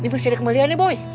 ini masih ada kembaliannya boy